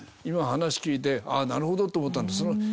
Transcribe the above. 今話聞いて「ああなるほど」と思ったんです。